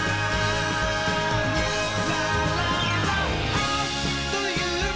「あっというまっ！